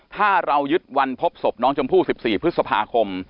ถ้าเรายึดวันพบศพน้องชมพู่๑๔พฤษภาคม